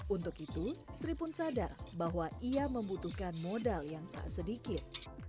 untuk itu sri pun sadar bahwa ia membutuhkan modal yang tak sedikit